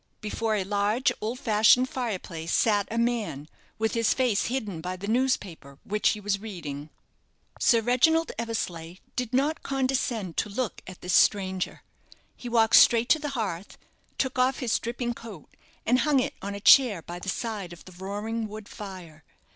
Before a large, old fashioned fire place sat a man, with his face hidden by the newspaper which he was reading. Sir Reginald Eversleigh did not condescend to look at this stranger. He walked straight to the hearth; took off his dripping coat, and hung it on a chair by the side of the roaring wood fire.